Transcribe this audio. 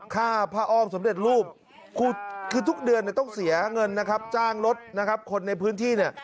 ค่าผ้าอ้อมสำเร็จรูปคือทุกเดือนต้องเสียเงินนะครับจ้างรถนะครับคนในพื้นที่เนี่ย